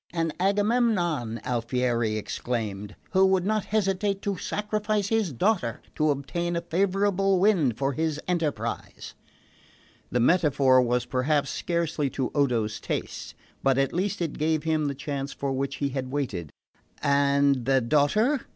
"An Agamemnon," Alfieri exclaimed, "who would not hesitate to sacrifice his daughter to obtain a favourable wind for his enterprise!" The metaphor was perhaps scarcely to Odo's taste; but at least it gave him the chance for which he had waited. "And the daughter?"